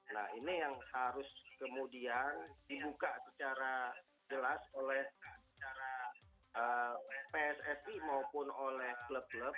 nah ini yang harus kemudian dibuka secara jelas oleh pssi maupun oleh klub klub